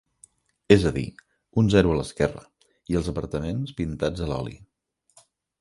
És a dir, un zero a l'esquerra, i els apartaments pintats a l'oli.